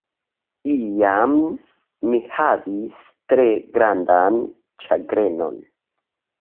Iam mi havis tre grandan ĉagrenon.